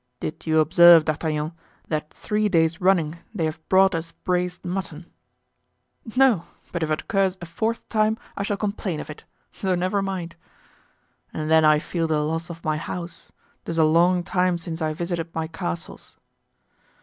"Did you observe, D'Artagnan, that three days running they have brought us braised mutton?" "No; but if it occurs a fourth time I shall complain of it, so never mind." "And then I feel the loss of my house, 'tis a long time since I visited my castles."